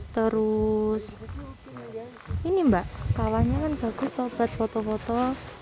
terus ini mbak kawanya kan bagus untuk foto foto